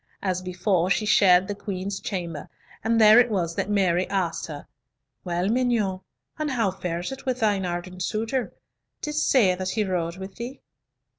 As before, she shared the Queen's chamber, and there it was that Mary asked her, "Well, mignonne, and how fares it with thine ardent suitor? Didst say that he rode with thee?"